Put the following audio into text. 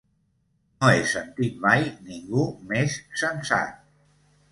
"No he sentit mai ningú més sensat..."